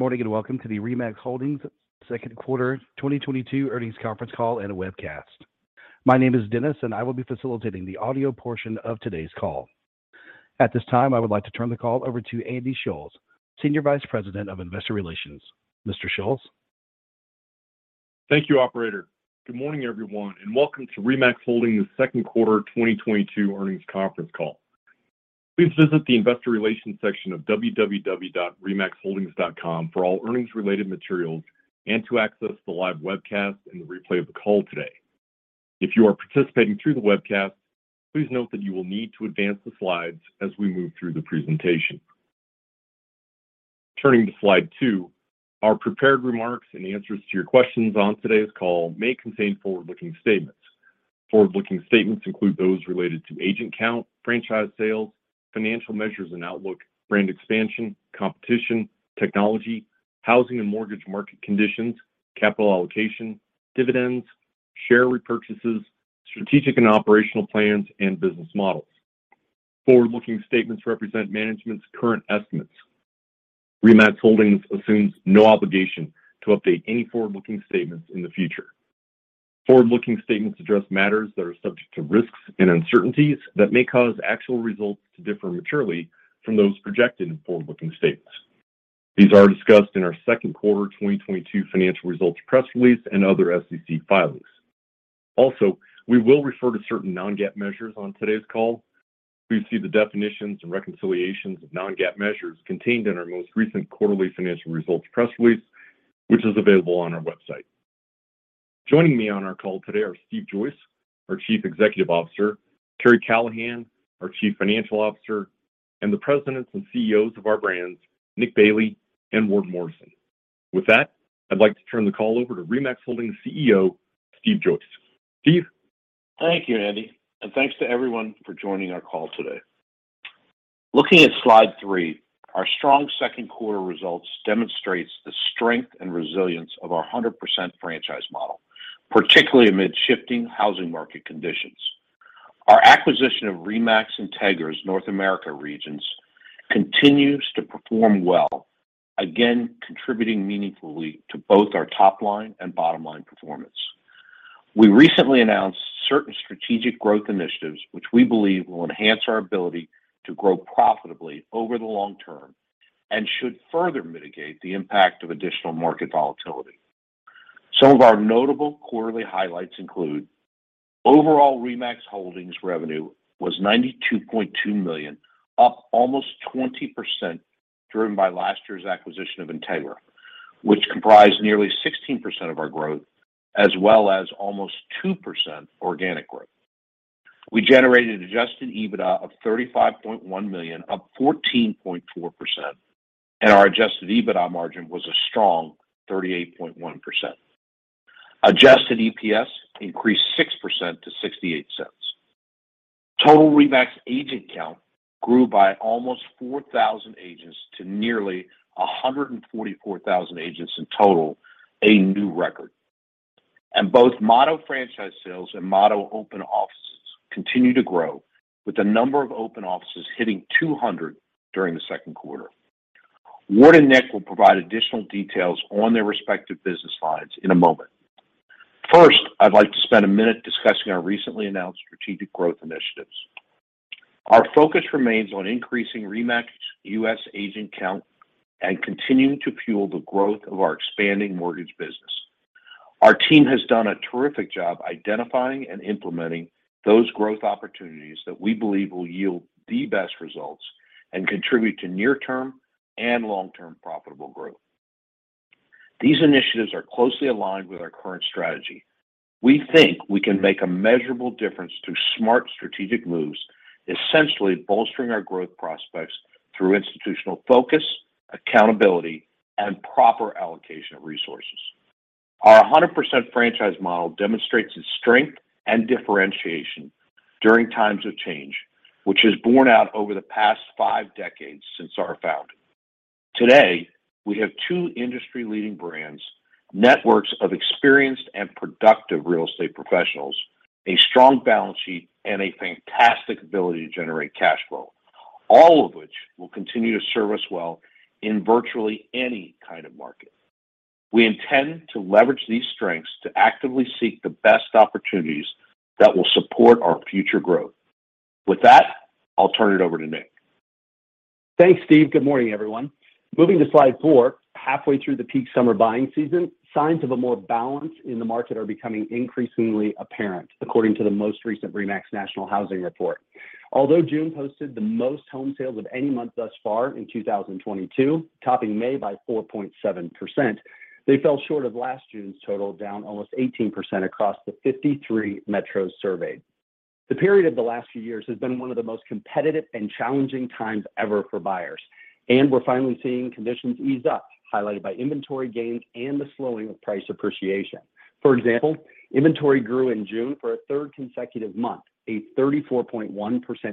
Good morning and welcome to the RE/MAX Holdings Second Quarter 2022 Earnings Conference Call and Webcast. My name is Dennis, and I will be facilitating the audio portion of today's call. At this time, I would like to turn the call over to Andy Schulz, Senior Vice President of Investor Relations. Mr. Schulz? Thank you, operator. Good morning, everyone, and welcome to RE/MAX Holdings Second Quarter 2022 Earnings Conference Call. Please visit the investor relations section of www.remaxholdings.com for all earnings-related materials and to access the live webcast and the replay of the call today. If you are participating through the webcast, please note that you will need to advance the slides as we move through the presentation. Turning to slide 2, our prepared remarks and answers to your questions on today's call may contain forward-looking statements. Forward-looking statements include those related to agent count, franchise sales, financial measures and outlook, brand expansion, competition, technology, housing and mortgage market conditions, capital allocation, dividends, share repurchases, strategic and operational plans, and business models. Forward-looking statements represent management's current estimates. RE/MAX Holdings assumes no obligation to update any forward-looking statements in the future. Forward-looking statements address matters that are subject to risks and uncertainties that may cause actual results to differ materially from those projected in forward-looking statements. These are discussed in our second quarter 2022 financial results press release and other SEC filings. Also, we will refer to certain non-GAAP measures on today's call. Please see the definitions and reconciliations of non-GAAP measures contained in our most recent quarterly financial results press release, which is available on our website. Joining me on our call today are Steve Joyce, our Chief Executive Officer, Karri Callahan, our Chief Financial Officer, and the presidents and CEOs of our brands, Nick Bailey and Ward Morrison. With that, I'd like to turn the call over to RE/MAX Holdings CEO, Steve Joyce. Steve? Thank you, Andy, and thanks to everyone for joining our call today. Looking at slide 3, our strong second quarter results demonstrates the strength and resilience of our 100% franchise model, particularly amid shifting housing market conditions. Our acquisition of RE/MAX Integra's North America regions continues to perform well, again contributing meaningfully to both our top line and bottom line performance. We recently announced certain strategic growth initiatives which we believe will enhance our ability to grow profitably over the long term and should further mitigate the impact of additional market volatility. Some of our notable quarterly highlights include overall RE/MAX Holdings revenue was $92.2 million, up almost 20%, driven by last year's acquisition of Integra, which comprised nearly 16% of our growth as well as almost 2% organic growth. We generated adjusted EBITDA of $35.1 million, up 14.4%, and our adjusted EBITDA margin was a strong 38.1%. Adjusted EPS increased 6% to $0.68. Total RE/MAX agent count grew by almost 4,000 agents to nearly 144,000 agents in total, a new record. Both Motto franchise sales and Motto open offices continue to grow, with the number of open offices hitting 200 during the second quarter. Ward and Nick will provide additional details on their respective business lines in a moment. First, I'd like to spend a minute discussing our recently announced strategic growth initiatives. Our focus remains on increasing RE/MAX U.S. agent count and continuing to fuel the growth of our expanding mortgage business. Our team has done a terrific job identifying and implementing those growth opportunities that we believe will yield the best results and contribute to near-term and long-term profitable growth. These initiatives are closely aligned with our current strategy. We think we can make a measurable difference through smart strategic moves, essentially bolstering our growth prospects through institutional focus, accountability, and proper allocation of resources. Our 100% franchise model demonstrates its strength and differentiation during times of change, which has borne out over the past five decades since our founding. Today, we have two industry-leading brands, networks of experienced and productive real estate professionals, a strong balance sheet, and a fantastic ability to generate cash flow, all of which will continue to serve us well in virtually any kind of market. We intend to leverage these strengths to actively seek the best opportunities that will support our future growth. With that, I'll turn it over to Nick. Thanks, Steve. Good morning, everyone. Moving to slide four, halfway through the peak summer buying season, signs of a more balanced market are becoming increasingly apparent, according to the most recent RE/MAX National Housing Report. Although June posted the most home sales of any month thus far in 2022, topping May by 4.7%, they fell short of last June's total, down almost 18% across the 53 metros surveyed. The period of the last few years has been one of the most competitive and challenging times ever for buyers, and we're finally seeing conditions ease up, highlighted by inventory gains and the slowing of price appreciation. For example, inventory grew in June for a third consecutive month, a 34.1%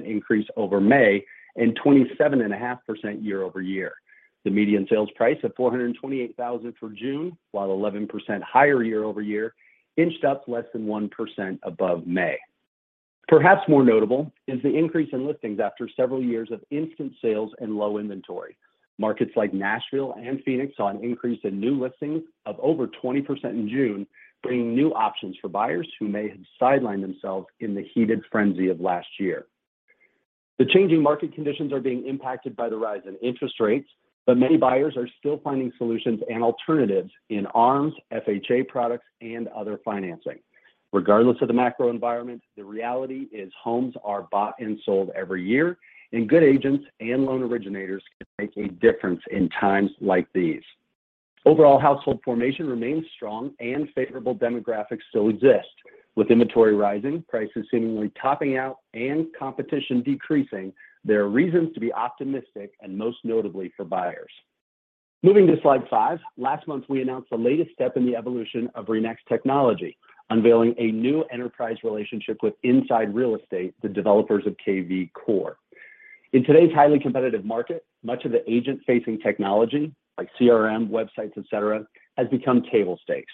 increase over May and 27.5% year-over-year. The median sales price of $428,000 for June, while 11% higher year-over-year, inched up less than 1% above May. Perhaps more notable is the increase in listings after several years of instant sales and low inventory. Markets like Nashville and Phoenix saw an increase in new listings of over 20% in June, bringing new options for buyers who may have sidelined themselves in the heated frenzy of last year. The changing market conditions are being impacted by the rise in interest rates, but many buyers are still finding solutions and alternatives in ARMs, FHA products, and other financing. Regardless of the macro environment, the reality is homes are bought and sold every year, and good agents and loan originators can make a difference in times like these. Overall household formation remains strong and favorable demographics still exist. With inventory rising, prices seemingly topping out, and competition decreasing, there are reasons to be optimistic and most notably for buyers. Moving to slide 5, last month we announced the latest step in the evolution of RE/MAX technology, unveiling a new enterprise relationship with Inside Real Estate, the developers of kvCORE. In today's highly competitive market, much of the agent-facing technology like CRM, websites, et cetera, has become table stakes.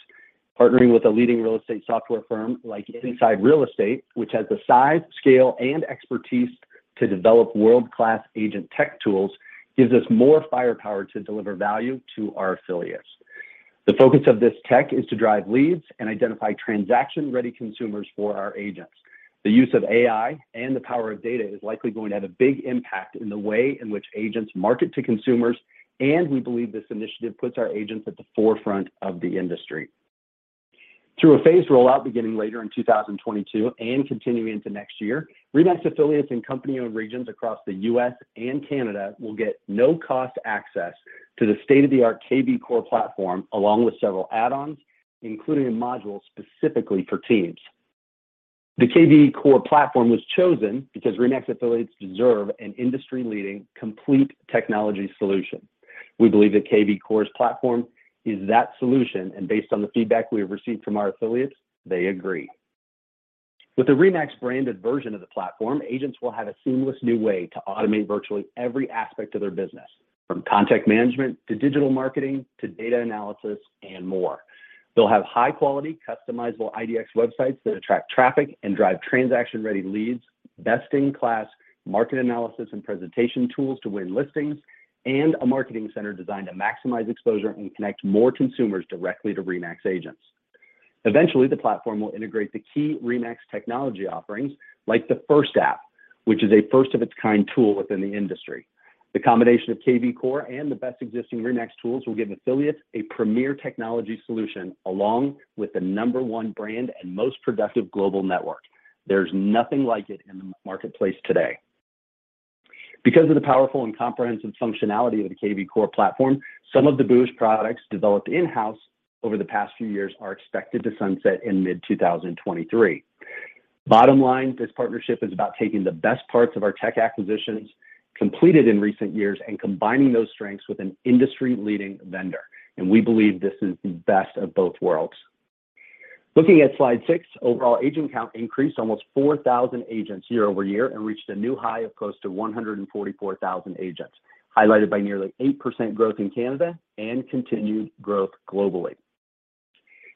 Partnering with a leading real estate software firm like Inside Real Estate, which has the size, scale, and expertise to develop world-class agent tech tools, gives us more firepower to deliver value to our affiliates. The focus of this tech is to drive leads and identify transaction-ready consumers for our agents. The use of AI and the power of data is likely going to have a big impact in the way in which agents market to consumers, and we believe this initiative puts our agents at the forefront of the industry. Through a phased rollout beginning later in 2022 and continuing into next year, RE/MAX affiliates and company-owned regions across the U.S. and Canada will get no-cost access to the state-of-the-art kvCORE platform along with several add-ons, including a module specifically for teams. The kvCORE platform was chosen because RE/MAX affiliates deserve an industry-leading complete technology solution. We believe that kvCORE's platform is that solution, and based on the feedback we have received from our affiliates, they agree. With the RE/MAX branded version of the platform, agents will have a seamless new way to automate virtually every aspect of their business, from contact management to digital marketing, to data analysis and more. They'll have high-quality customizable IDX websites that attract traffic and drive transaction-ready leads, best-in-class market analysis and presentation tools to win listings, and a marketing center designed to maximize exposure and connect more consumers directly to RE/MAX agents. Eventually, the platform will integrate the key RE/MAX technology offerings like the First app, which is a first-of-its-kind tool within the industry. The combination of kvCORE and the best existing RE/MAX tools will give affiliates a premier technology solution along with the number one brand and most productive global network. There's nothing like it in the marketplace today. Because of the powerful and comprehensive functionality of the kvCORE platform, some of the booj products developed in-house over the past few years are expected to sunset in mid-2023. Bottom line, this partnership is about taking the best parts of our tech acquisitions completed in recent years and combining those strengths with an industry-leading vendor, and we believe this is the best of both worlds. Looking at slide 6, overall agent count increased almost 4,000 agents year-over-year and reached a new high of close to 144,000 agents, highlighted by nearly 8% growth in Canada and continued growth globally.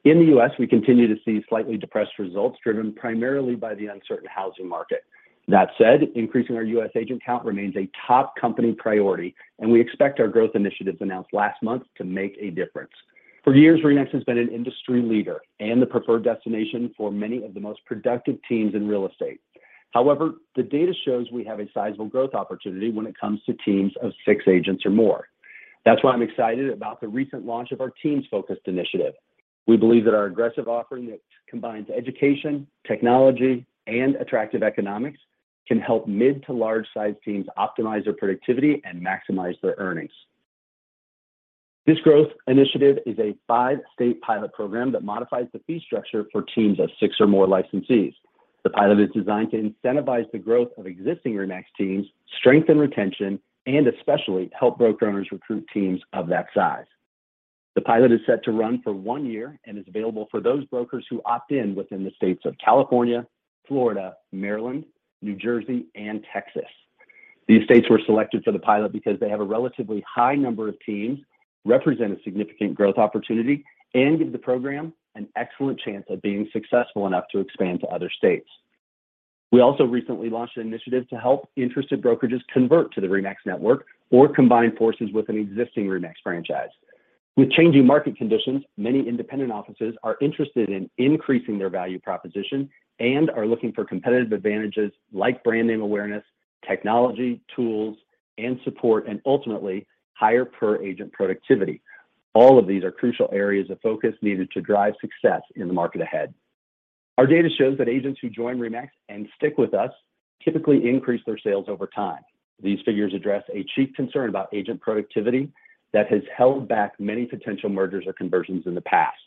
In the US, we continue to see slightly depressed results driven primarily by the uncertain housing market. That said, increasing our U.S. agent count remains a top company priority, and we expect our growth initiatives announced last month to make a difference. For years, RE/MAX has been an industry leader and the preferred destination for many of the most productive teams in real estate. However, the data shows we have a sizable growth opportunity when it comes to teams of six agents or more. That's why I'm excited about the recent launch of our teams-focused initiative. We believe that our aggressive offering that combines education, technology, and attractive economics can help mid to large-size teams optimize their productivity and maximize their earnings. This growth initiative is a five-state pilot program that modifies the fee structure for teams of six or more licensees. The pilot is designed to incentivize the growth of existing RE/MAX teams, strengthen retention, and especially help broker-owners recruit teams of that size. The pilot is set to run for one year and is available for those brokers who opt in within the states of California, Florida, Maryland, New Jersey, and Texas. These states were selected for the pilot because they have a relatively high number of teams, represent a significant growth opportunity, and give the program an excellent chance of being successful enough to expand to other states. We also recently launched an initiative to help interested brokerages convert to the RE/MAX network or combine forces with an existing RE/MAX franchise. With changing market conditions, many independent offices are interested in increasing their value proposition and are looking for competitive advantages like brand name awareness, technology, tools, and support, and ultimately, higher per agent productivity. All of these are crucial areas of focus needed to drive success in the market ahead. Our data shows that agents who join RE/MAX and stick with us typically increase their sales over time. These figures address a chief concern about agent productivity that has held back many potential mergers or conversions in the past.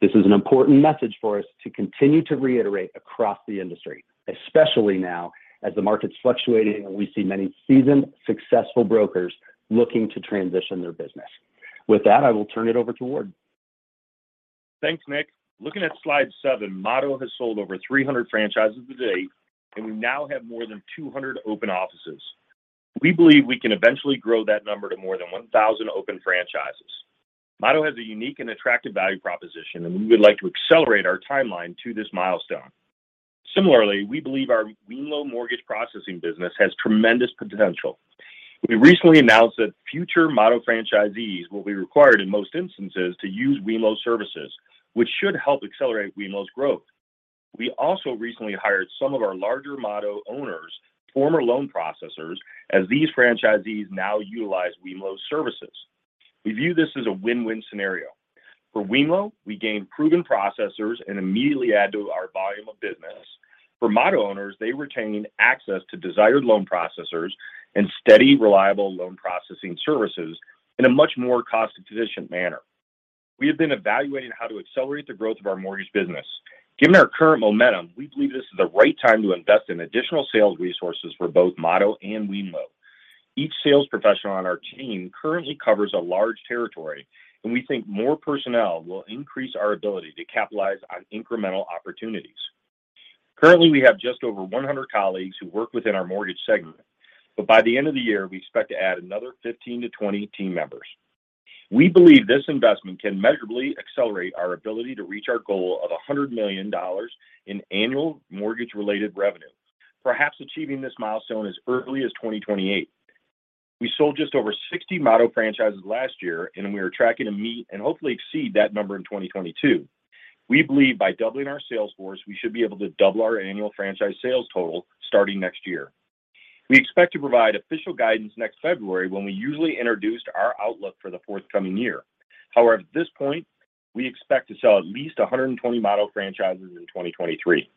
This is an important message for us to continue to reiterate across the industry, especially now as the market's fluctuating and we see many seasoned, successful brokers looking to transition their business. With that, I will turn it over to Ward. Thanks, Nick. Looking at slide seven, Motto has sold over 300 franchises to date, and we now have more than 200 open offices. We believe we can eventually grow that number to more than 1,000 open franchises. Motto has a unique and attractive value proposition, and we would like to accelerate our timeline to this milestone. Similarly, we believe our wemlo mortgage processing business has tremendous potential. We recently announced that future Motto franchisees will be required in most instances to use wemlo services, which should help accelerate wemlo's growth. We also recently hired some of our larger Motto owners, former loan processors, as these franchisees now utilize wemlo's services. We view this as a win-win scenario. For wemlo, we gain proven processors and immediately add to our volume of business. For Motto owners, they retain access to desired loan processors and steady, reliable loan processing services in a much more cost-efficient manner. We have been evaluating how to accelerate the growth of our mortgage business. Given our current momentum, we believe this is the right time to invest in additional sales resources for both Motto and wemlo. Each sales professional on our team currently covers a large territory, and we think more personnel will increase our ability to capitalize on incremental opportunities. Currently, we have just over 100 colleagues who work within our mortgage segment, but by the end of the year, we expect to add another 15-20 team members. We believe this investment can measurably accelerate our ability to reach our goal of $100 million in annual mortgage-related revenue, perhaps achieving this milestone as early as 2028. We sold just over 60 Motto franchises last year, and we are tracking to meet and hopefully exceed that number in 2022. We believe by doubling our sales force, we should be able to double our annual franchise sales total starting next year. We expect to provide official guidance next February when we usually introduce our outlook for the forthcoming year. However, at this point, we expect to sell at least 120 Motto franchises in 2023.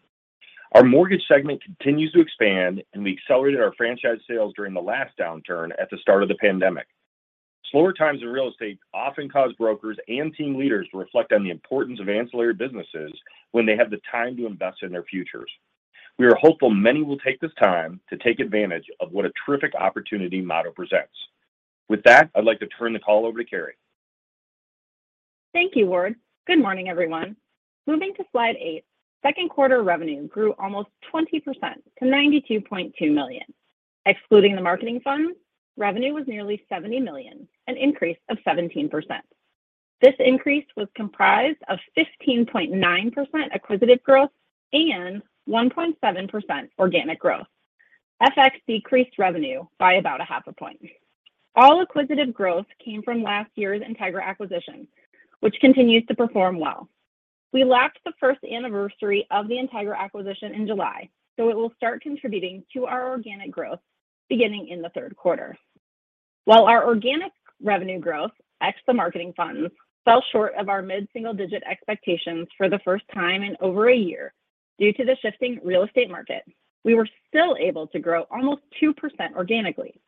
Our mortgage segment continues to expand, and we accelerated our franchise sales during the last downturn at the start of the pandemic. Slower times in real estate often cause brokers and team leaders to reflect on the importance of ancillary businesses when they have the time to invest in their futures. We are hopeful many will take this time to take advantage of what a terrific opportunity Motto presents. With that, I'd like to turn the call over to Karri Callahan. Thank you, Ward. Good morning, everyone. Moving to slide eight, second quarter revenue grew almost 20% to $92.2 million. Excluding the marketing fund, revenue was nearly $70 million, an increase of 17%. This increase was comprised of 15.9% acquisitive growth and 1.7% organic growth. FX decreased revenue by about half a point. All acquisitive growth came from last year's Integra acquisition, which continues to perform well. We passed the first anniversary of the Integra acquisition in July, so it will start contributing to our organic growth beginning in the third quarter. While our organic revenue growth, ex the marketing fund, fell short of our mid-single-digit expectations for the first time in over a year due to the shifting real estate market, we were still able to grow almost 2% organically.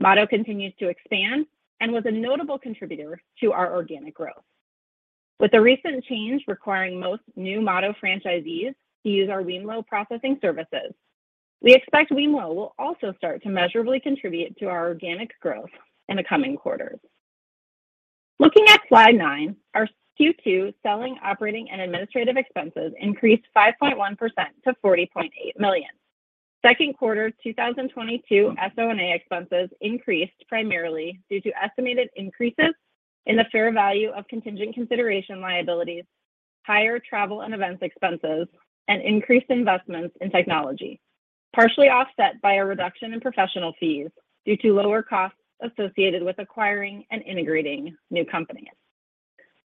Motto continues to expand and was a notable contributor to our organic growth. With the recent change requiring most new Motto franchisees to use our wemlo processing services, we expect wemlo will also start to measurably contribute to our organic growth in the coming quarters. Looking at slide nine, our Q2 selling, operating, and administrative expenses increased 5.1% to $40.8 million. Second quarter 2022 SO&A expenses increased primarily due to estimated increases in the fair value of contingent consideration liabilities, higher travel and events expenses, and increased investments in technology, partially offset by a reduction in professional fees due to lower costs associated with acquiring and integrating new companies.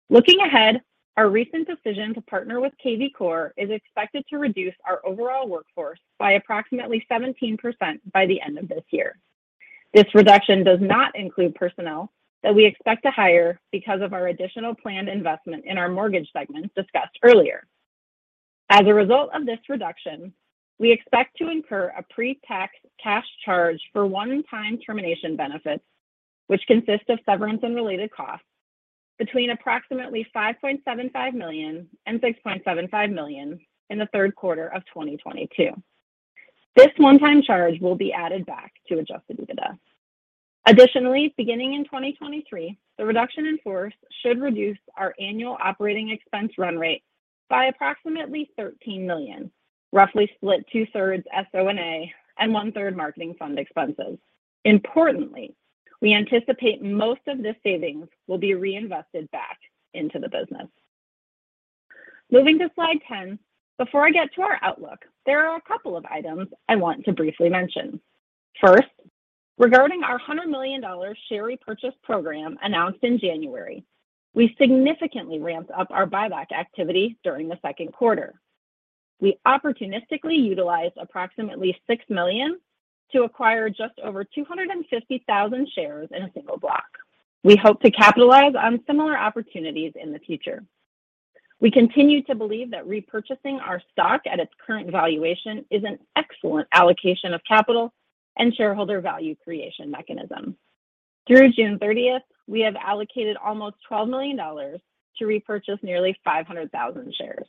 Looking ahead, our recent decision to partner with kvCORE is expected to reduce our overall workforce by approximately 17% by the end of this year. This reduction does not include personnel that we expect to hire because of our additional planned investment in our mortgage segment discussed earlier. As a result of this reduction, we expect to incur a pre-tax cash charge for one-time termination benefits, which consist of severance and related costs, between approximately $5.75 million and $6.75 million in the third quarter of 2022. This one-time charge will be added back to adjusted EBITDA. Additionally, beginning in 2023, the reduction in force should reduce our annual operating expense run rate by approximately $13 million, roughly split two-thirds SO&A and one-third marketing fund expenses. Importantly, we anticipate most of this savings will be reinvested back into the business. Moving to slide 10, before I get to our outlook, there are a couple of items I want to briefly mention. First, regarding our $100 million share repurchase program announced in January, we significantly ramped up our buyback activity during the second quarter. We opportunistically utilized approximately $6 million to acquire just over 250,000 shares in a single block. We hope to capitalize on similar opportunities in the future. We continue to believe that repurchasing our stock at its current valuation is an excellent allocation of capital and shareholder value creation mechanism. Through June 30th, we have allocated almost $12 million to repurchase nearly 500,000 shares.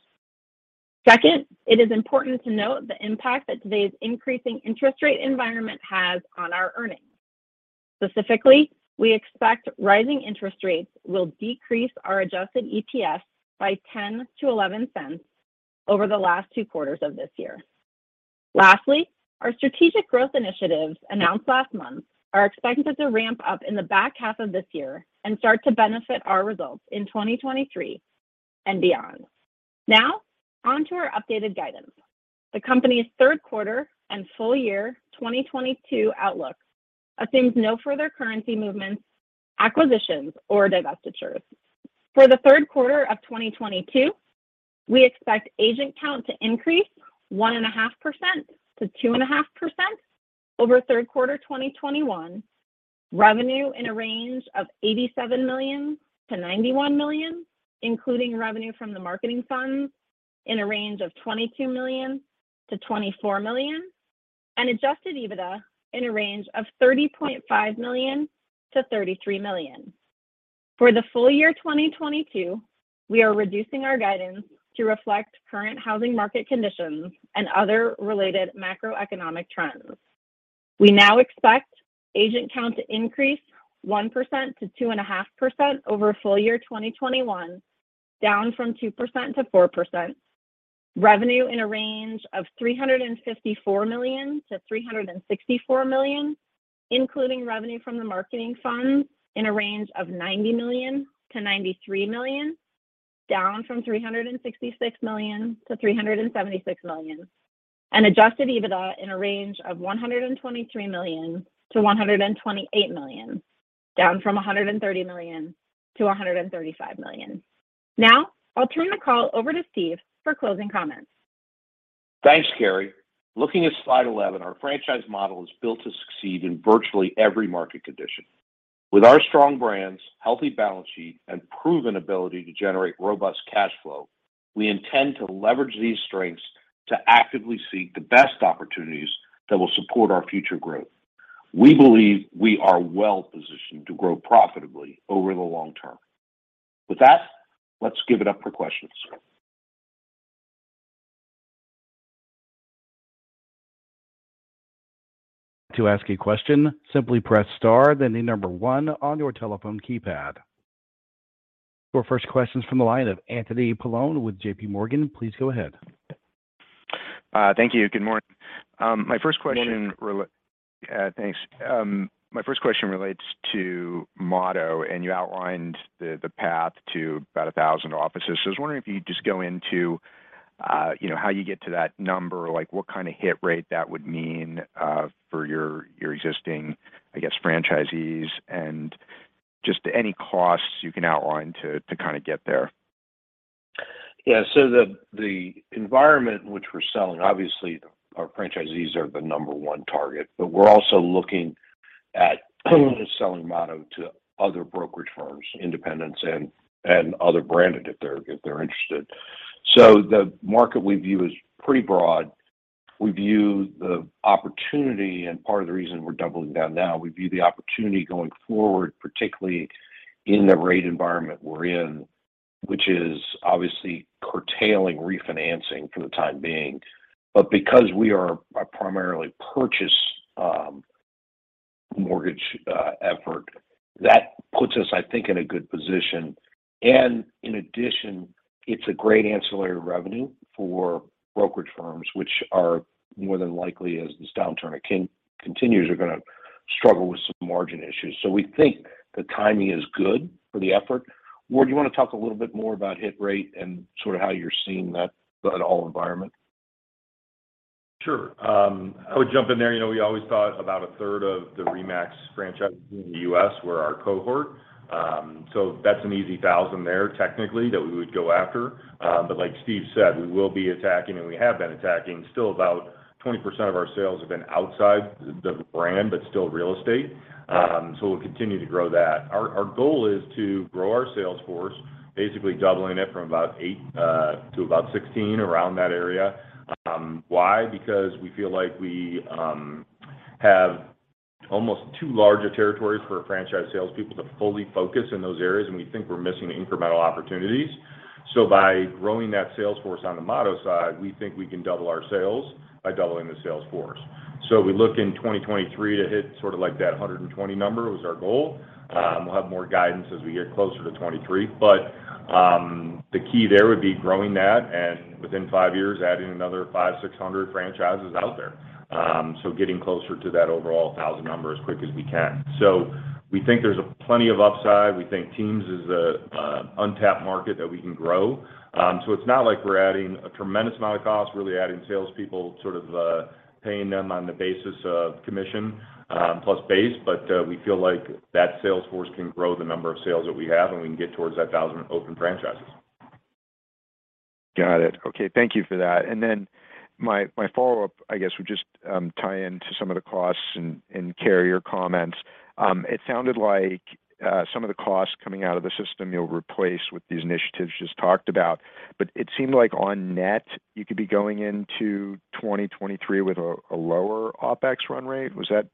Second, it is important to note the impact that today's increasing interest rate environment has on our earnings. Specifically, we expect rising interest rates will decrease our adjusted EPS by $0.10-$0.11 over the last two quarters of this year. Lastly, our strategic growth initiatives announced last month are expected to ramp up in the back half of this year and start to benefit our results in 2023 and beyond. Now on to our updated guidance. The company's third quarter and full year 2022 outlook assumes no further currency movements, acquisitions, or divestitures. For the third quarter of 2022, we expect agent count to increase 1.5%-2.5% over third quarter 2021. Revenue in a range of $87 million-$91 million, including revenue from the marketing fund in a range of $22 million-$24 million, and adjusted EBITDA in a range of $30.5 million-$33 million. For the full year 2022, we are reducing our guidance to reflect current housing market conditions and other related macroeconomic trends. We now expect agent count to increase 1%-2.5% over full year 2021, down from 2%-4%. Revenue in a range of $354 million-$364 million, including revenue from the marketing fund in a range of $90 million-$93 million, down from $366 million-$376 million. Adjusted EBITDA in a range of $123 million-$128 million, down from $130 million-$135 million. Now I'll turn the call over to Steve for closing comments. Thanks, Karri. Looking at slide 11, our franchise model is built to succeed in virtually every market condition. With our strong brands, healthy balance sheet, and proven ability to generate robust cash flow, we intend to leverage these strengths to actively seek the best opportunities that will support our future growth. We believe we are well positioned to grow profitably over the long term. With that, let's give it up for questions. To ask a question, simply press star, then the number one on your telephone keypad. Our first question is from the line of Anthony Paolone with J.P. Morgan. Please go ahead. Thank you. Good morning. Morning Thanks. My first question relates to Motto, and you outlined the path to about 1,000 offices. I was wondering if you could just go into, you know, how you get to that number, like what kind of hit rate that would mean for your existing, I guess, franchisees, and just any costs you can outline to kind of get there. Yeah. The environment in which we're selling, obviously our franchisees are the number one target, but we're also looking at selling Motto to other brokerage firms, independents and other branded if they're interested. The market we view is pretty broad. We view the opportunity, and part of the reason we're doubling down now, we view the opportunity going forward, particularly in the rate environment we're in, which is obviously curtailing refinancing for the time being. Because we are a primarily purchase mortgage effort, that puts us, I think, in a good position. In addition, it's a great ancillary revenue for brokerage firms, which are more than likely, as this downturn continues, are gonna struggle with some margin issues. We think the timing is good for the effort. Ward, do you wanna talk a little bit more about hit rate and sort of how you're seeing that for that whole environment? Sure. I would jump in there. We always thought about 1/3 of the RE/MAX franchises in the U.S. were our cohort. That's an easy 1,000 there, technically, that we would go after. Like Steve said, we will be attacking, and we have been attacking. Still about 20% of our sales have been outside the brand, but still real estate. We'll continue to grow that. Our goal is to grow our sales force, basically doubling it from about 8 to about 16, around that area. Why? Because we feel like we have almost too large a territories for franchise salespeople to fully focus in those areas, and we think we're missing incremental opportunities. By growing that sales force on the Motto side, we think we can double our sales by doubling the sales force. We look in 2023 to hit sort of like that 120 number was our goal. We'll have more guidance as we get closer to 2023. The key there would be growing that, and within five years, adding another 500-600 franchises out there. Getting closer to that overall 1,000 number as quick as we can. We think there's plenty of upside. We think Teams is a untapped market that we can grow. It's not like we're adding a tremendous amount of cost, really adding salespeople, sort of, paying them on the basis of commission, plus base. We feel like that sales force can grow the number of sales that we have, and we can get towards that 1,000 open franchises. Got it. Okay. Thank you for that. My follow-up, I guess, would just tie into some of the costs and Karri, your comments. It sounded like some of the costs coming out of the system you'll replace with these initiatives just talked about, but it seemed like on net, you could be going into 2023 with a lower OpEx run rate. Was that?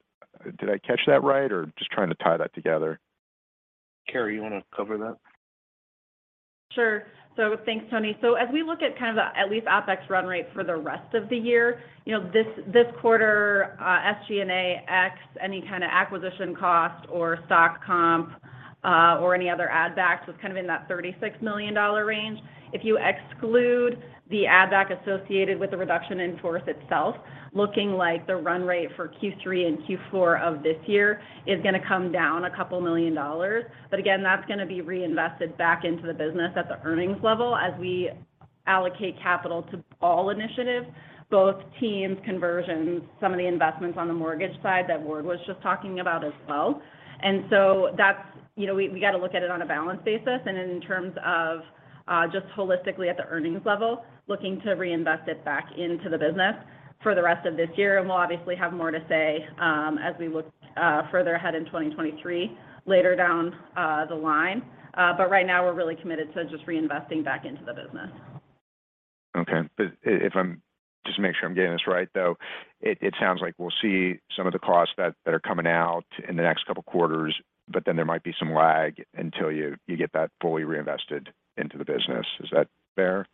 Did I catch that right, or just trying to tie that together? Karri, you wanna cover that? Sure. Thanks, Tony. As we look at kind of the at least OpEx run rate for the rest of the year, you know, this quarter, SG&A ex any kind of acquisition cost or stock comp Or any other add backs was kind of in that $36 million range. If you exclude the add back associated with the reduction in force itself, looking like the run rate for Q3 and Q4 of this year is gonna come down a couple million dollars. Again, that's gonna be reinvested back into the business at the earnings level as we allocate capital to all initiatives, both teams, conversions, some of the investments on the mortgage side that Ward was just talking about as well. We gotta look at it on a balanced basis, and in terms of just holistically at the earnings level, looking to reinvest it back into the business for the rest of this year. We'll obviously have more to say as we look further ahead in 2023 later down the line. Right now, we're really committed to just reinvesting back into the business. Just to make sure I'm getting this right, though. It sounds like we'll see some of the costs that are coming out in the next couple quarters, but then there might be some lag until you get that fully reinvested into the business. Is that fair?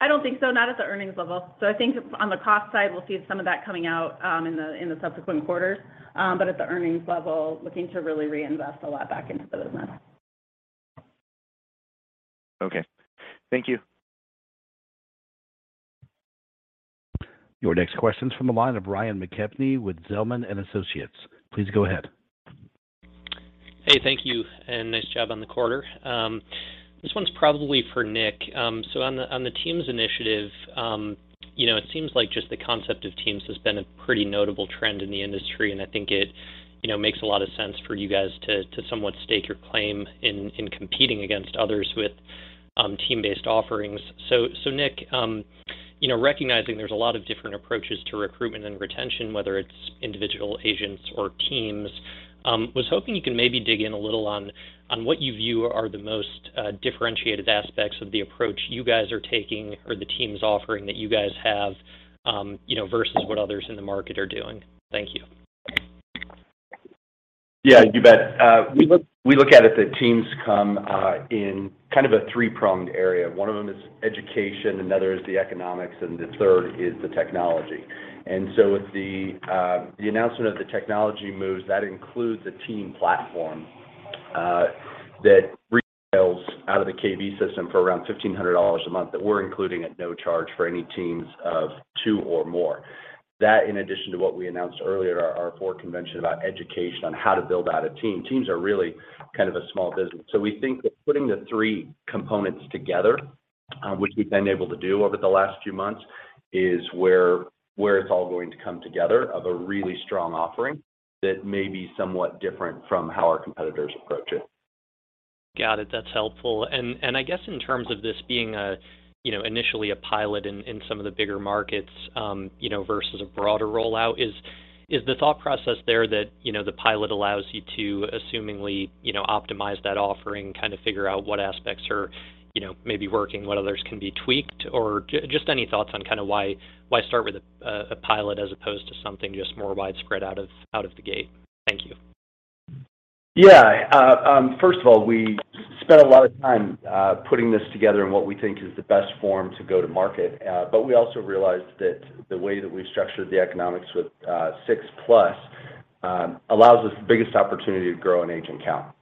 I don't think so, not at the earnings level. I think on the cost side, we'll see some of that coming out, in the subsequent quarters. At the earnings level, looking to really reinvest a lot back into the business. Okay. Thank you. Your next question is from the line of Ryan McKeveny with Zelman & Associates. Please go ahead. Hey, thank you, and nice job on the quarter. This one's probably for Nick. On the teams initiative, you know, it seems like just the concept of teams has been a pretty notable trend in the industry, and I think it you know makes a lot of sense for you guys to somewhat stake your claim in competing against others with team-based offerings. Nick, you know, recognizing there's a lot of different approaches to recruitment and retention, whether it's individual agents or teams, was hoping you can maybe dig in a little on what you view are the most differentiated aspects of the approach you guys are taking or the teams offering that you guys have, you know, versus what others in the market are doing. Thank you. We look at it that teams come in kind of a three-pronged area. One of them is education, another is the economics, and the third is the technology. With the announcement of the technology moves, that includes a team platform that retails out of the kvCORE system for around $1,500 a month that we're including at no charge for any teams of two or more. That, in addition to what we announced earlier at our 2024 convention about education on how to build out a team. Teams are really kind of a small business. We think that putting the three components together, which we've been able to do over the last few months, is where it's all going to come together of a really strong offering that may be somewhat different from how our competitors approach it. Got it. That's helpful. I guess in terms of this being initially a pilot in some of the bigger markets, versus a broader rollout, is the thought process there that the pilot allows you to assumingly optimize that offering, kind of figure out what aspects are, maybe working, what others can be tweaked, or just any thoughts on kind of why start with a pilot as opposed to something just more widespread out of the gate? Thank you. Yeah. First of all, we spent a lot of time putting this together in what we think is the best form to go to market. We also realized that the way that we've structured the economics with 6-plus allows us the biggest opportunity to grow an agent count.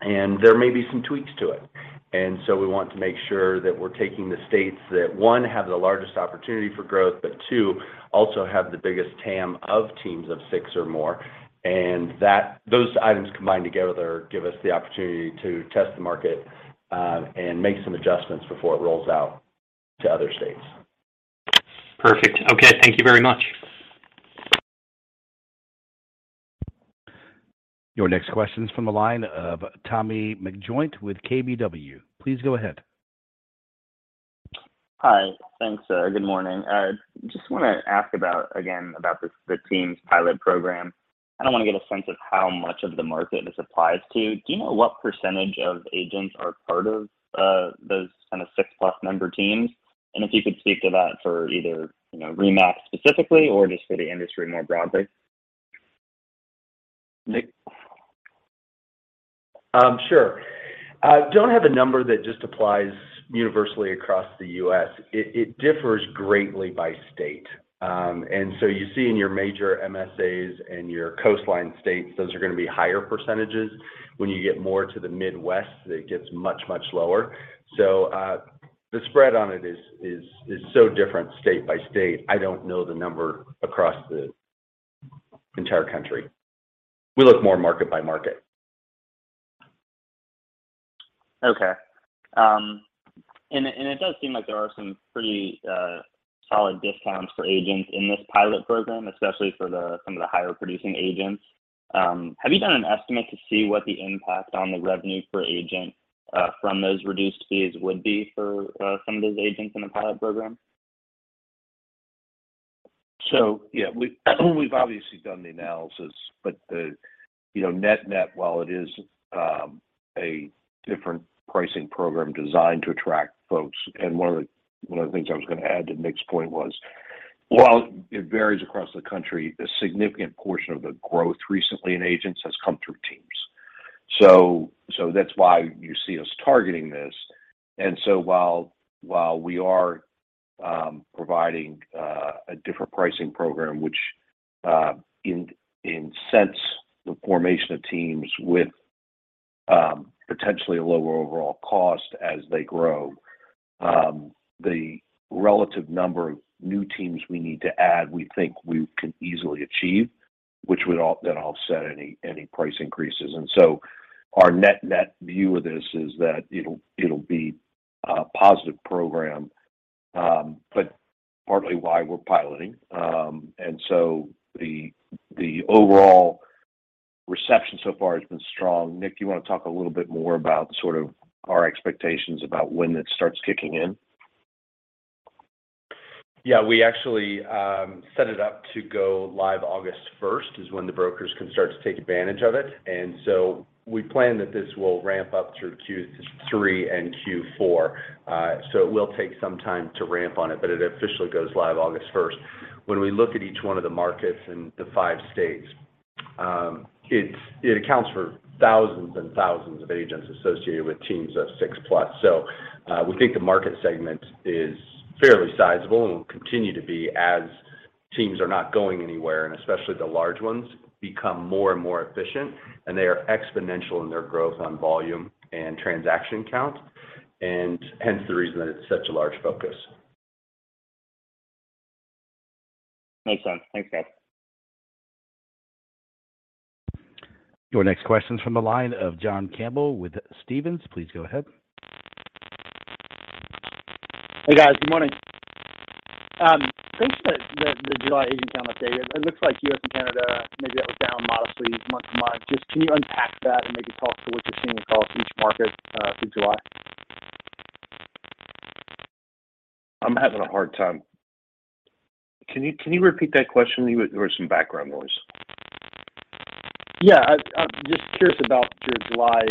There may be some tweaks to it. We want to make sure that we're taking the states that, one, have the largest opportunity for growth, but two, also have the biggest TAM of teams of 6 or more. That, those items combined together give us the opportunity to test the market and make some adjustments before it rolls out to other states. Perfect. Okay, thank you very much. Your next question is from the line of Tommy McJoynt with KBW. Please go ahead. Hi. Thanks, good morning. I just want to ask about again the teams pilot program. I kinda want to get a sense of how much of the market this applies to. Do you know what percentage of agents are part of those kind of six-plus member teams? And if you could speak to that for either, you know, RE/MAX specifically or just for the industry more broadly. Nick? Sure. I don't have a number that just applies universally across the U.S. It differs greatly by state. You see in your major MSAs and your coastline states, those are going to be higher percentages. When you get more to the Midwest, it gets much lower. The spread on it is so different state by state. I don't know the number across the entire country. We look more market by market. Okay. It does seem like there are some pretty solid discounts for agents in this pilot program, especially for some of the higher producing agents. Have you done an estimate to see what the impact on the revenue per agent from those reduced fees would be for some of those agents in the pilot program? Yeah, we've obviously done the analysis, but the, net-net, while it is a different pricing program designed to attract folks, and one of the things I was going to add to Nick's point was, while it varies across the country, a significant portion of the growth recently in agents has come through teams. That's why you see us targeting this. While we are providing a different pricing program, which in a sense the formation of teams with potentially a lower overall cost as they grow, the relative number of new teams we need to add, we think we can easily achieve, which would offset any price increases. Our net-net view of this is that it'll be a positive program, but partly why we're piloting. The overall reception so far has been strong. Nick, you want to talk a little bit more about sort of our expectations about when that starts kicking in? Yeah. We actually set it up to go live August first, is when the brokers can start to take advantage of it. We plan that this will ramp up through Q3 and Q4. It will take some time to ramp on it, but it officially goes live August first. When we look at each one of the markets in the five states, it accounts for thousands and thousands of agents associated with teams of six-plus. We think the market segment is fairly sizable and will continue to be as teams are not going anywhere, and especially the large ones become more and more efficient, and they are exponential in their growth on volume and transaction count, and hence the reason that it is such a large focus. Makes sense. Thanks, guys. Your next question is from the line of John Campbell with Stephens. Please go ahead. Hey, guys. Good morning. Thanks for the July agent count update. It looks like U.S. and Canada maybe that was down modestly month-to-month. Just can you unpack that and maybe talk to what you're seeing across each market, for July? I'm having a hard time. Can you repeat that question? There was some background noise. Yeah. I'm just curious about the July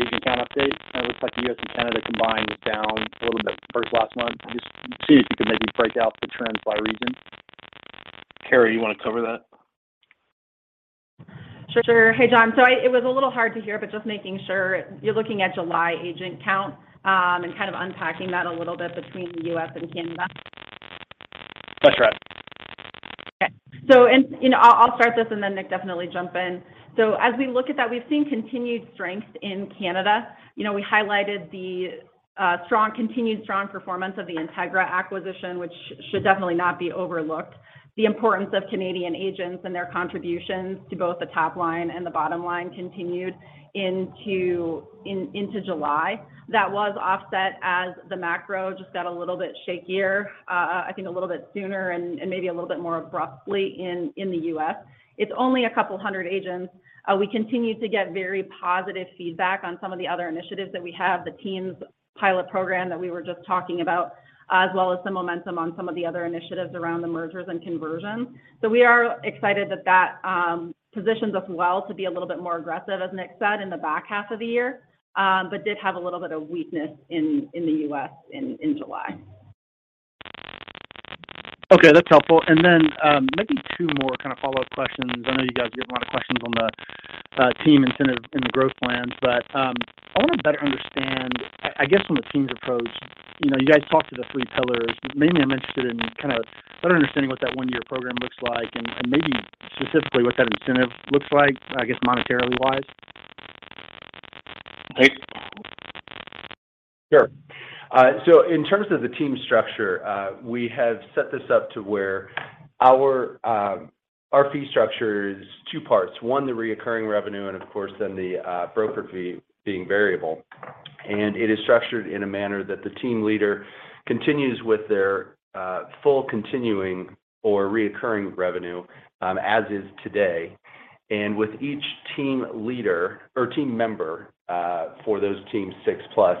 agent count update. It looks like the U.S. and Canada combined was down a little bit versus last month. Just see if you could maybe break out the trends by region. Karri, you wanna cover that? Sure. Hey, John. It was a little hard to hear, but just making sure you're looking at July agent count, and kind of unpacking that a little bit between the U.S. and Canada. That's right. You know, I'll start this and then Nick definitely jump in. As we look at that, we've seen continued strength in Canada. We highlighted the continued strong performance of the Integra acquisition, which should definitely not be overlooked. The importance of Canadian agents and their contributions to both the top line and the bottom line continued into July. That was offset as the macro just got a little bit shakier, I think a little bit sooner and maybe a little bit more abruptly in the U.S. It's only a couple hundred agents. We continue to get very positive feedback on some of the other initiatives that we have, the teams pilot program that we were just talking about, as well as some momentum on some of the other initiatives around the mergers and conversions. We are excited that positions us well to be a little bit more aggressive, as Nick said, in the back half of the year, but did have a little bit of weakness in the U.S. in July. Okay, that's helpful. Maybe two more kind of follow-up questions. I know you guys get a lot of questions on the team incentive and the growth plans, but I want to better understand, I guess from a teams approach, you guys talked to the three pillars. Mainly, I'm interested in kind of better understanding what that one-year program looks like and maybe specifically what that incentive looks like, I guess, monetarily-wise. Sure. In terms of the team structure, we have set this up to where our fee structure is two parts. One, the recurring revenue, and of course, then the broker fee being variable. It is structured in a manner that the team leader continues with their full continuing or recurring revenue as is today. With each team leader or team member for those teams 6-plus,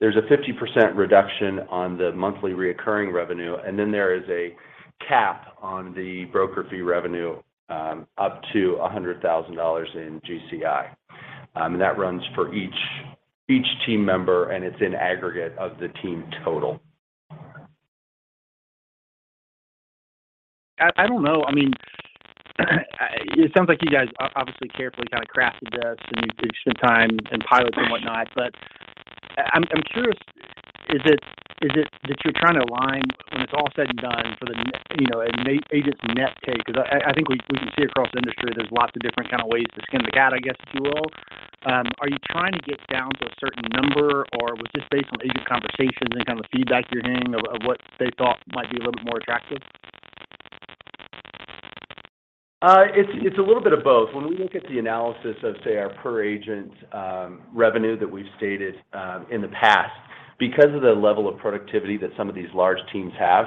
there's a 50% reduction on the monthly recurring revenue, and then there is a cap on the broker fee revenue up to $100,000 in GCI. That runs for each team member, and it's in aggregate of the team total. I don't know. I mean, it sounds like you guys obviously carefully kind of crafted this, and you've spent time in pilots and whatnot. I'm curious, is it that you're trying to align when it's all said and done for the you know, an agent's net take? 'Cause I think we can see across the industry there's lots of different kind of ways to skin the cat, I guess, if you will. Are you trying to get down to a certain number, or was this based on agent conversations, any kind of feedback you're hearing of what they thought might be a little bit more attractive? It's a little bit of both. When we look at the analysis of, say, our per agent revenue that we've stated in the past, because of the level of productivity that some of these large teams have,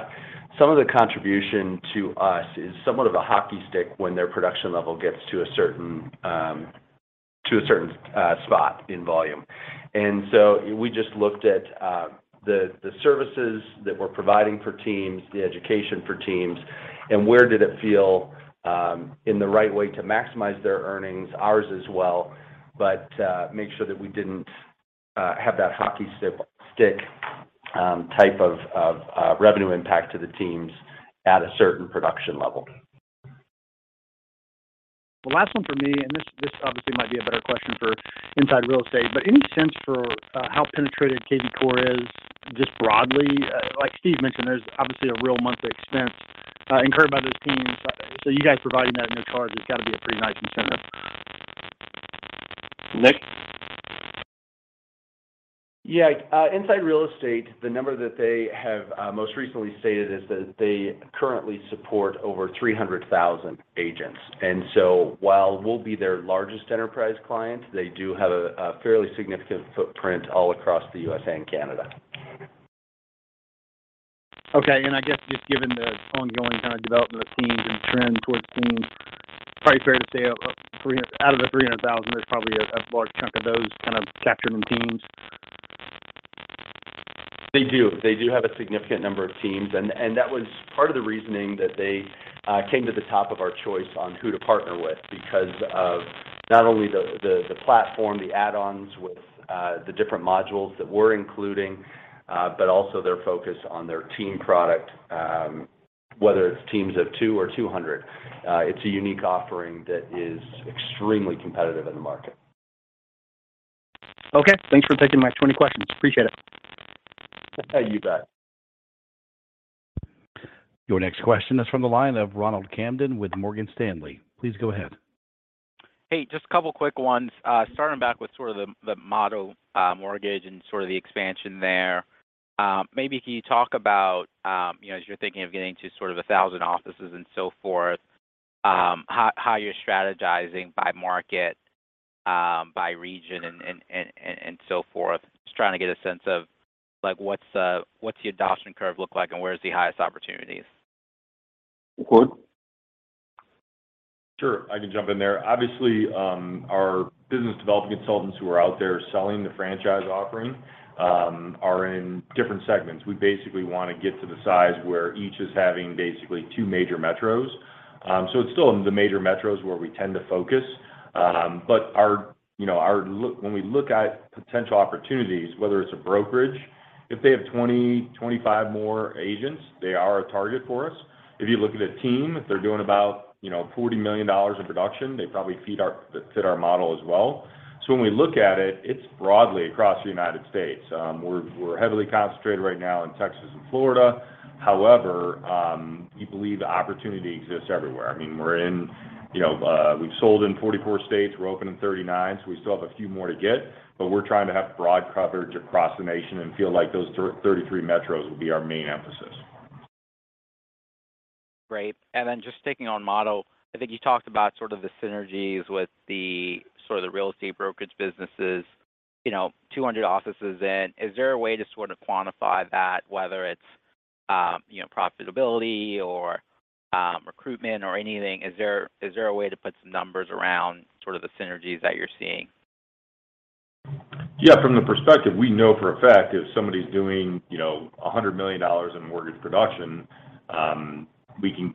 some of the contribution to us is somewhat of a hockey stick when their production level gets to a certain spot in volume. We just looked at the services that we're providing for teams, the education for teams, and where did it feel in the right way to maximize their earnings, ours as well, but make sure that we didn't have that hockey stick type of revenue impact to the teams at a certain production level. The last one for me, and this obviously might be a better question for Inside Real Estate. Any sense for how penetrated kvCORE is just broadly? Like Steve mentioned, there's obviously a real monthly expense incurred by those teams. You guys providing that in your charge has got to be a pretty nice incentive. Nick? Yeah. Inside Real Estate, the number that they have, most recently stated is that they currently support over 300,000 agents. While we'll be their largest enterprise client, they do have a fairly significant footprint all across the U.S. and Canada. Okay. I guess just given the ongoing kind of development of teams and trend towards teams, probably fair to say out of the 300,000, there's probably a large chunk of those kind of capturing teams. They do. They do have a significant number of teams. That was part of the reasoning that they came to the top of our choice on who to partner with because of not only the platform, the add-ons with the different modules that we're including, but also their focus on their team product, whether it's teams of 2 or 200. It's a unique offering that is extremely competitive in the market. Okay. Thanks for taking my 20 questions. Appreciate it. You bet. Your next question is from the line of Ronald Kamdem with Morgan Stanley. Please go ahead. Hey, just a couple quick ones. Starting back with sort of the Motto Mortgage and sort of the expansion there. Maybe can you talk about, you know, as you're thinking of getting to sort of 1,000 offices and so forth, how you're strategizing by market, by region and so forth. Just trying to get a sense of, like, what's the adoption curve look like and where's the highest opportunities? Ward? Sure. I can jump in there. Obviously, our business development consultants who are out there selling the franchise offering are in different segments. We basically want to get to the size where each is having basically two major metros. It's still in the major metros where we tend to focus. Our, you know, when we look at potential opportunities, whether it's a brokerage, if they have 20-25 more agents, they are a target for us. If you look at a team, if they're doing about, you know, $40 million in production, they probably fit our model as well. When we look at it's broadly across the United States. We're heavily concentrated right now in Texas and Florida. However, we believe the opportunity exists everywhere. I mean, we're in, you know, we've sold in 44 states, we're open in 39, so we still have a few more to get. We're trying to have broad coverage across the nation and feel like those 33 metros will be our main emphasis. Great. Then just sticking on Motto, I think you talked about sort of the synergies with the real estate brokerage businesses, you know, 200 offices in. Is there a way to sort of quantify that, whether it's, you know, profitability or, recruitment or anything? Is there a way to put some numbers around sort of the synergies that you're seeing? Yeah. From the perspective, we know for a fact, if somebody's doing, you know, $100 million in mortgage production, we can,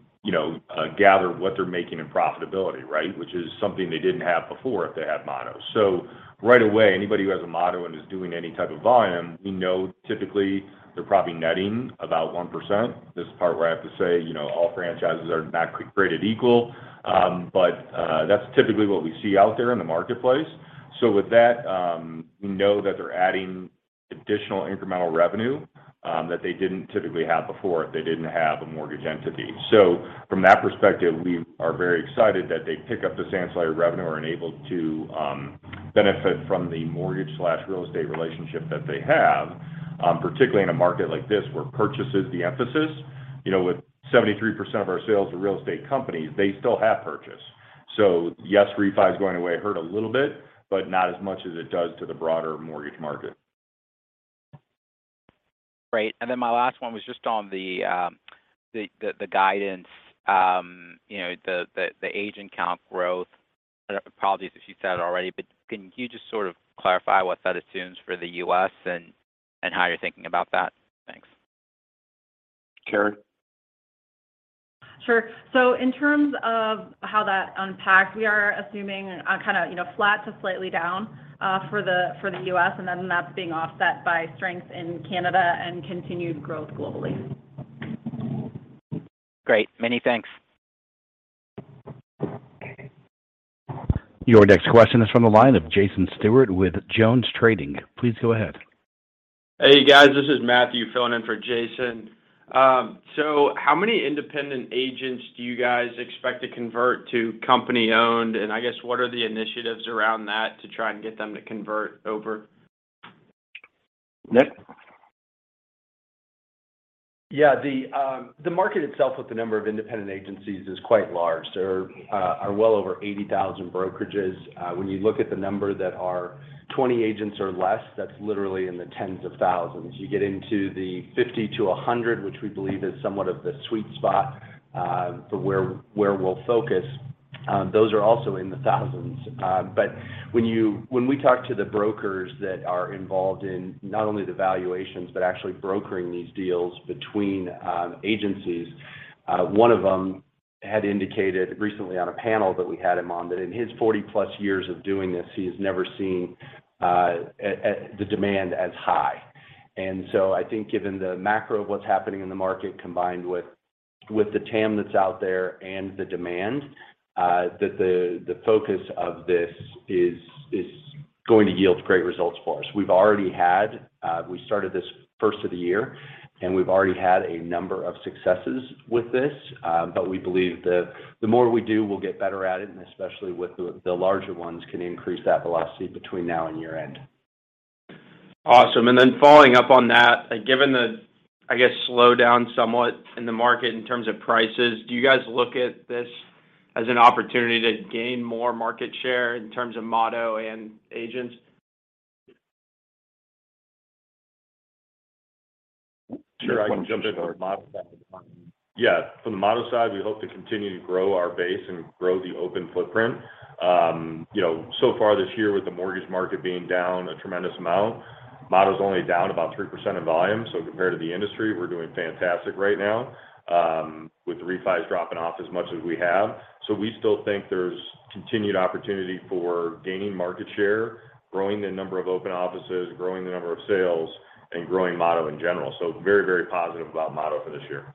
gather what they're making in profitability, right? Which is something they didn't have before if they had Motto. Right away, anybody who has a Motto and is doing any type of volume, we know typically they're probably netting about 1%. This is the part where I have to say, you know, all franchises are not created equal. That's typically what we see out there in the marketplace. With that, we know that they're adding additional incremental revenue, that they didn't typically have before if they didn't have a mortgage entity. From that perspective, we are very excited that they pick up this ancillary revenue, are enabled to, benefit from the mortgage/real estate relationship that they have, particularly in a market like this where purchase is the emphasis. You know, with 73% of our sales to real estate companies, they still have purchase. Yes, refi's going away hurt a little bit, but not as much as it does to the broader mortgage market. Great. Then my last one was just on the guidance, you know, the agent count growth. Apologies if you said it already, but can you just sort of clarify what that assumes for the U.S. and how you're thinking about that? Thanks. Karri? Sure. In terms of how that unpacks, we are assuming kind of, you know, flat to slightly down for the US, and then that's being offset by strength in Canada and continued growth globally. Great. Many thanks. Your next question is from the line of Jason Stewart with JonesTrading. Please go ahead. Hey, you guys. This is Matthew Raab filling in for Jason. How many independent agents do you guys expect to convert to company-owned? I guess what are the initiatives around that to try and get them to convert over? Nick? Yeah. The market itself with the number of independent agencies is quite large. There are well over 80,000 brokerages. When you look at the number that are 20 agents or less, that's literally in the tens of thousands. You get into the 50-100, which we believe is somewhat of the sweet spot, for where we'll focus, those are also in the thousands, but when we talk to the brokers that are involved in not only the valuations, but actually brokering these deals between agencies, one of them had indicated recently on a panel that we had him on, that in his 40+ years of doing this, he has never seen the demand as high. I think given the macro of what's happening in the market, combined with the TAM that's out there and the demand, the focus of this is going to yield great results for us. We started this first of the year, and we've already had a number of successes with this, but we believe the more we do, we'll get better at it, and especially with the larger ones can increase that velocity between now and year-end. Awesome. Following up on that, given the, I guess, slowdown somewhat in the market in terms of prices, do you guys look at this as an opportunity to gain more market share in terms of Motto and agents? Sure. I can jump in for Motto. Yeah. From the Motto side, we hope to continue to grow our base and grow the open footprint. So far this year with the mortgage market being down a tremendous amount, Motto's only down about 3% in volume. Compared to the industry, we're doing fantastic right now, with the refis dropping off as much as we have. We still think there's continued opportunity for gaining market share, growing the number of open offices, growing the number of sales, and growing Motto in general. Very, very positive about Motto for this year.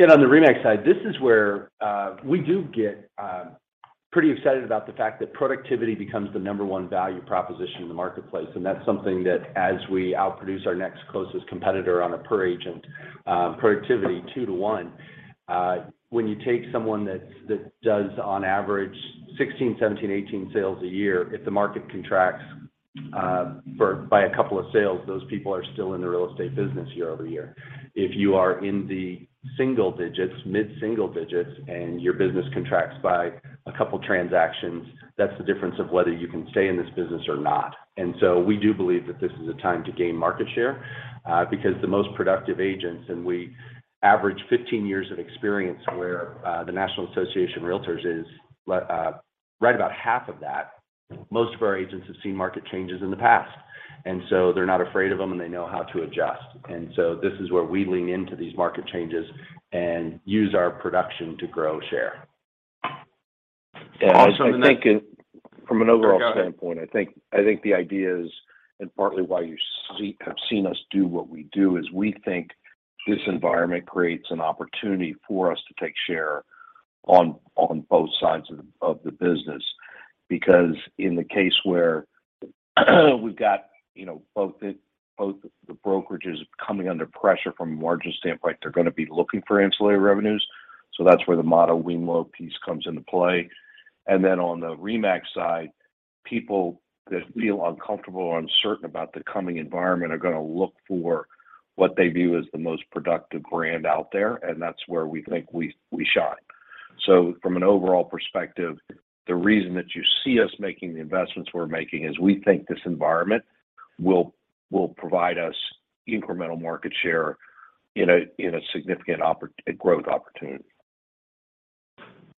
On the RE/MAX side, this is where we do get pretty excited about the fact that productivity becomes the number one value proposition in the marketplace, and that's something that as we outproduce our next closest competitor on a per agent productivity 2-to-1, when you take someone that does on average 16, 17, 18 sales a year, if the market contracts by a couple of sales, those people are still in the real estate business year over year. If you are in the single digits, mid-single digits, and your business contracts by a couple transactions, that's the difference of whether you can stay in this business or not. We do believe that this is a time to gain market share, because the most productive agents, and we average 15 years of experience where the National Association of REALTORS is right about half of that. Most of our agents have seen market changes in the past, and so they're not afraid of them, and they know how to adjust. This is where we lean into these market changes and use our production to grow share. Awesome. From an overall standpoint, I think the idea is, and partly why you have seen us do what we do, is we think this environment creates an opportunity for us to take share on both sides of the business. Because in the case where we've got, both the brokerages coming under pressure from a margin standpoint, they're gonna be looking for ancillary revenues, so that's where the Motto wemlo piece comes into play. On the RE/MAX side, people that feel uncomfortable or uncertain about the coming environment are gonna look for what they view as the most productive brand out there, and that's where we think we shine. From an overall perspective, the reason that you see us making the investments we're making is we think this environment will provide us incremental market share in a significant growth opportunity.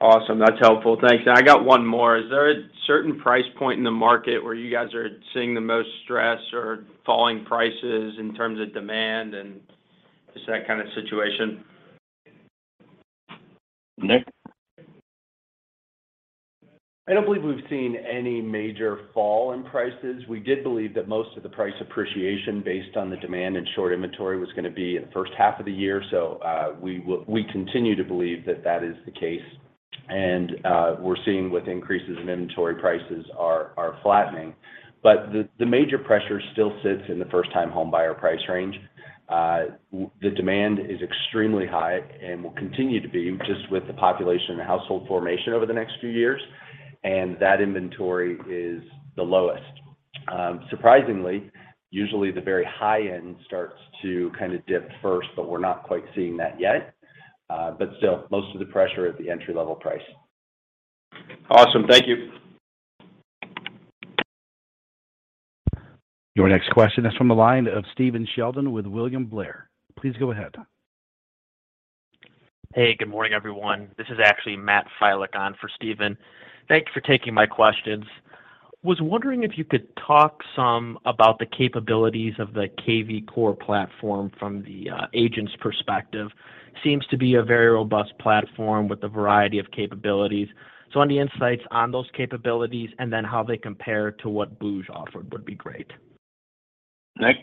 Awesome. That's helpful. Thanks. I got one more. Is there a certain price point in the market where you guys are seeing the most stress or falling prices in terms of demand and just that kind of situation? Nick? I don't believe we've seen any major fall in prices. We did believe that most of the price appreciation based on the demand and short inventory was gonna be in the first half of the year. We continue to believe that that is the case, and we're seeing with increases in inventory, prices are flattening. The major pressure still sits in the first-time home buyer price range. The demand is extremely high and will continue to be just with the population and household formation over the next few years, and that inventory is the lowest. Surprisingly, usually the very high end starts to kind of dip first, but we're not quite seeing that yet. Still, most of the pressure at the entry-level price. Awesome. Thank you. Your next question is from the line of Stephen Sheldon with William Blair. Please go ahead. Hey, good morning, everyone. This is actually Matt Filek on for Stephen Sheldon. Thank you for taking my questions. Was wondering if you could talk some about the capabilities of the kvCORE platform from the agent's perspective. Seems to be a very robust platform with a variety of capabilities. Any insights on those capabilities, and then how they compare to what booj offered would be great. Nick?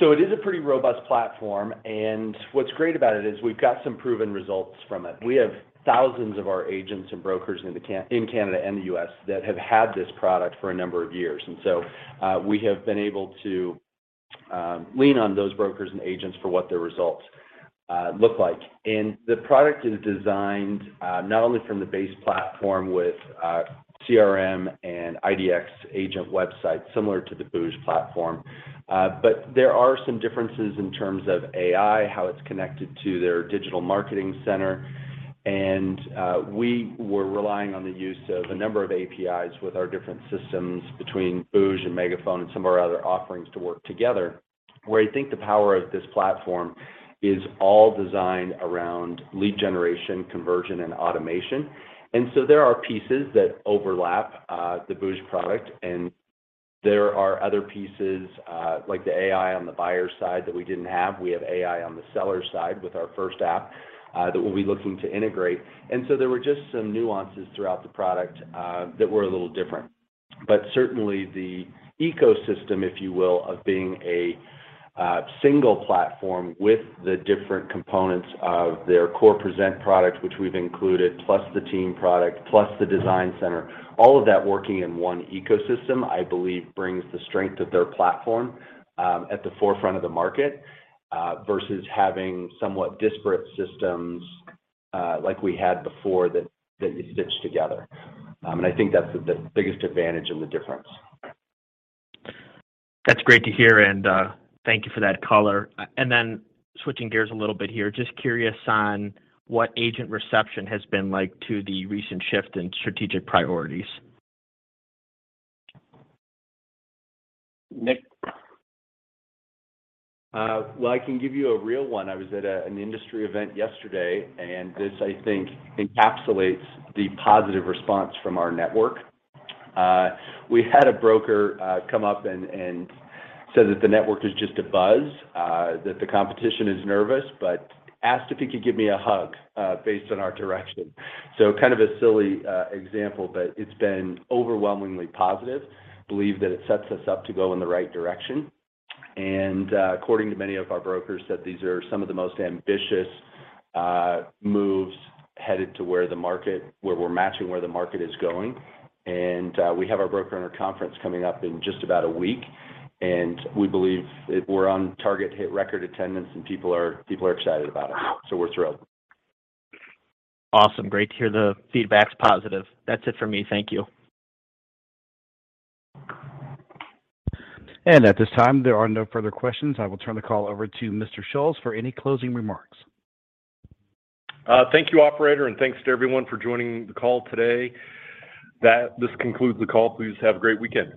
It is a pretty robust platform, and what's great about it is we've got some proven results from it. We have thousands of our agents and brokers in Canada and the U.S. that have had this product for a number of years. We have been able to lean on those brokers and agents for what their results look like. The product is designed not only from the base platform with CRM and IDX agent websites similar to the booj platform, but there are some differences in terms of AI, how it's connected to their digital marketing center. We were relying on the use of a number of APIs with our different systems between booj and Megaphone and some of our other offerings to work together. Where I think the power of this platform is all designed around lead generation, conversion, and automation. There are pieces that overlap, the booj product, and there are other pieces, like the AI on the buyer side that we didn't have. We have AI on the seller side with our First app, that we'll be looking to integrate. There were just some nuances throughout the product, that were a little different. Certainly the ecosystem, if you will, of being a single platform with the different components of their CORE Present product, which we've included, plus the team product, plus the design center, all of that working in one ecosystem, I believe brings the strength of their platform, at the forefront of the market, versus having somewhat disparate systems, like we had before that you stitch together. I think that's the biggest advantage and the difference. That's great to hear, and thank you for that color. Switching gears a little bit here, just curious on what agent reception has been like to the recent shift in strategic priorities. Nick. Well, I can give you a real one. I was at an industry event yesterday, and this I think encapsulates the positive response from our network. We had a broker come up and said that the network is just a buzz, that the competition is nervous, but asked if he could give me a hug based on our direction. Kind of a silly example, but it's been overwhelmingly positive. Believe that it sets us up to go in the right direction. According to many of our brokers, that these are some of the most ambitious moves headed to where we're matching where the market is going. We have our broker owner conference coming up in just about a week, and we believe it, we're on target to hit record attendance, and people are excited about it, so we're thrilled. Awesome. Great to hear the feedback's positive. That's it for me. Thank you. At this time, there are no further questions. I will turn the call over to Mr. Schulz for any closing remarks. Thank you, operator, and thanks to everyone for joining the call today. This concludes the call. Please have a great weekend.